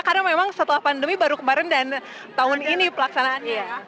karena memang setelah pandemi baru kemarin dan tahun ini pelaksanaannya ya